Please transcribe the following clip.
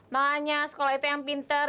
banyak sekolah itu yang pinter